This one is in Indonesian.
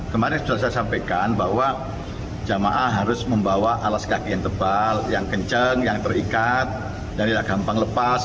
kemarin sudah saya sampaikan bahwa jamaah harus membawa alas kaki yang tebal yang kencang yang terikat dan tidak gampang lepas